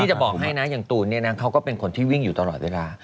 จะบอกให้นะอย่างตูนเนี่ยนะเขาก็เป็นคนที่วิ่งอยู่ตลอดเวลา